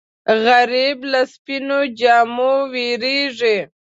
غریب له سپینو جامو وېرېږي